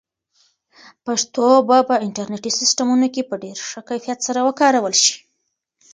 پښتو به په انټرنیټي سیسټمونو کې په ډېر ښه کیفیت سره وکارول شي.